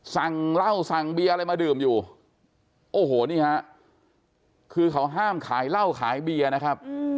สั่งเหล้าสั่งเบียร์อะไรมาดื่มอยู่โอ้โหนี่ฮะคือเขาห้ามขายเหล้าขายเบียร์นะครับ